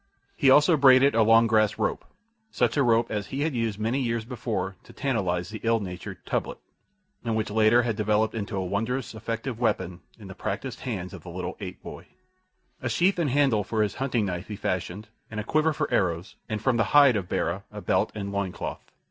He also braided a long grass rope—such a rope as he had used so many years before to tantalize the ill natured Tublat, and which later had developed into a wondrous effective weapon in the practised hands of the little ape boy. A sheath and handle for his hunting knife he fashioned, and a quiver for arrows, and from the hide of Bara a belt and loin cloth.